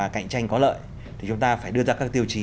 cạnh tranh có lợi thì chúng ta phải đưa ra các tiêu chí